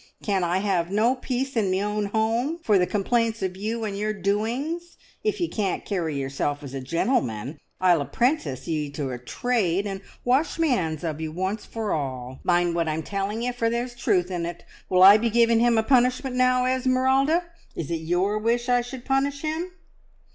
Can I have no peace in me own home for the complaints of you and your doings? If ye can't carry yourself as a gentleman, I'll apprentice ye to a trade, and wash me hands of you once for all. Mind what I'm telling ye, for there's truth in it! Will I be giving him a punishment now, Esmeralda? Is it your wish I should punish him?"